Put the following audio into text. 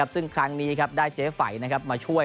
ซึ่งครั้งนี้ได้เจ๊ไฝมาช่วย